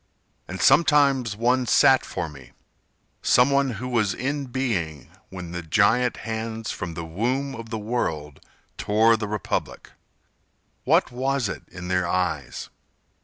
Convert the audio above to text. And sometimes one sat for me— Some one who was in being When giant hands from the womb of the world Tore the republic. What was it in their eyes?